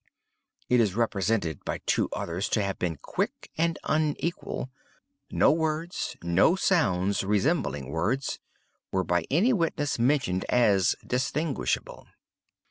It is represented by two others to have been 'quick and unequal.' No words—no sounds resembling words—were by any witness mentioned as distinguishable.